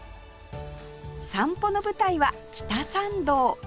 散歩の舞台は北参道